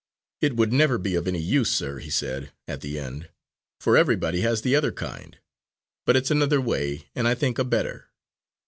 "It would never be of any use, sir," he said, at the end, "for everybody has the other kind. But it's another way, and I think a better."